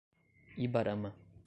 Ibarama